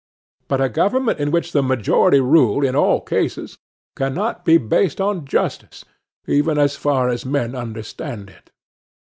But a government in which the majority rule in all cases can not be based on justice, even as far as men understand it.